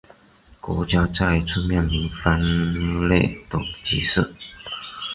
国家再一次面临分裂的局势。